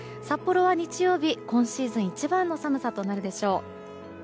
札幌は日曜日今シーズン一番の寒さとなるでしょう。